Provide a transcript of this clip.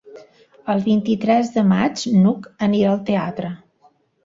El vint-i-tres de maig n'Hug anirà al teatre.